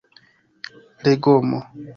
legomo